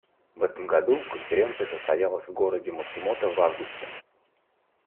В этом году Конференция состоялась в городе Мацумото в августе.